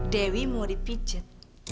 dewi mau dipijat